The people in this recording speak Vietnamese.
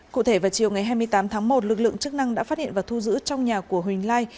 cụ thể vào chiều ngày hai mươi tám tháng một lực lượng chức năng đã phát hiện và thu giữ trong nhà của huỳnh lai